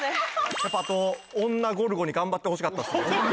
あと女ゴルゴに頑張ってほしかったですね。